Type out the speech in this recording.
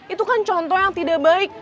itu kan contoh yang tidak baik